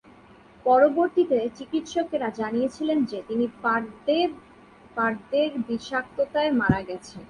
পরবর্তীতে চিকিৎসকেরা জানিয়েছিলেন যে, তিনি পারদের বিষাক্ততায় মারা গেছেন।